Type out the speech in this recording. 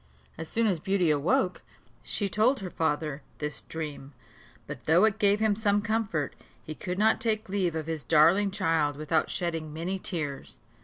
As soon as Beauty awoke, she told her father this dream; but though it gave him some comfort, he could not take leave of his darling child without shedding many tears.